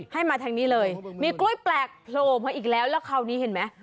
ให้มาทางนี้เลยมีกล้วยแปลกโผล่มาอีกแล้วแล้วคราวนี้เห็นไหม